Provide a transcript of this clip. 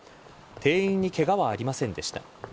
店員にケガはありませんでした。